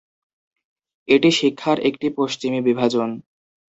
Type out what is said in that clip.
এটি শিক্ষার একটি পশ্চিমী বিভাজন।